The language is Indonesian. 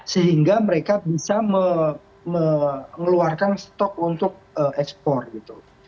sehingga mereka bisa mengeluarkan sebagian dari itu